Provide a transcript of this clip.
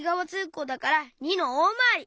こうだから②のおおまわり。